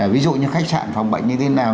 ví dụ như khách sạn phòng bệnh như thế nào